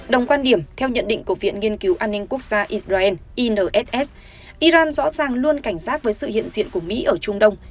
đồng quan điểm theo nhận định của viện nghiên cứu an ninh quốc gia israel inss iran rõ ràng luôn cảnh giác với sự hiện diện của mỹ ở trung đông